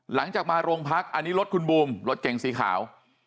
หลังจากมาโรงพักอันนี้รถคุณบูมรถเก่งสีขาว